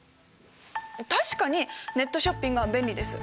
確かにネットショッピングは便利です。